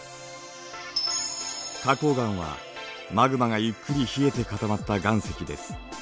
花こう岩はマグマがゆっくり冷えて固まった岩石です。